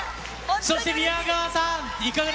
そして宮川さん。